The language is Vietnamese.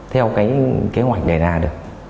theo cái kế hoạch đề ra được